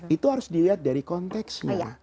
itu harus dilihat dari konteksnya